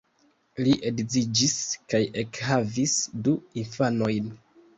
Li edziĝis kaj ekhavis du infanojn.